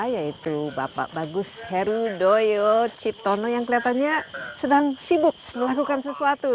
yaitu bapak bagus heru doyo ciptono yang kelihatannya sedang sibuk melakukan sesuatu